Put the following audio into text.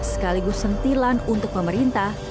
sekaligus sentilan untuk pemerintah